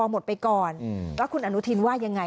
หมดไปก่อนแล้วคุณอนุทินว่ายังไง